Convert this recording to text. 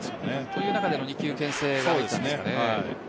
という中での２球けん制が入ったんですかね。